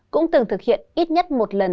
cũng từng thực hiện ít nhất một lần